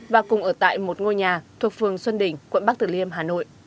và cùng ở tại một ngôi nhà thuộc phường xuân đỉnh quận bắc tử liêm hà nội